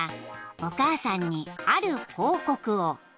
お母さんにある報告を］